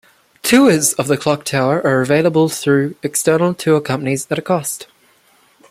Tours of the clock tower are available through external tour companies at a cost.